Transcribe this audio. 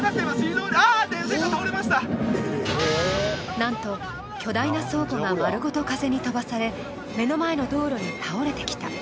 なんと巨大な倉庫が丸ごと風に飛ばされ目の前の道路に倒れてきた。